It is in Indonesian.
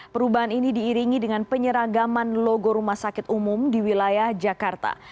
perubahan ini diiringi dengan penyeragaman logo rumah sakit umum di wilayah jakarta